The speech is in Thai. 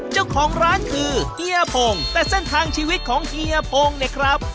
เจ้าของร้านคือเฮียพงแต่เส้นทางชีวิตของเฮียพงเนี่ยครับ